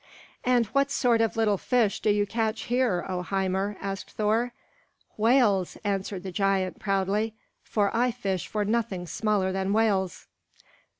"And what sort of little fish do you catch here, O Hymir?" asked Thor. "Whales!" answered the giant proudly. "I fish for nothing smaller than whales."